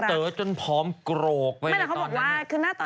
ตั๋วจนพร้อมกรก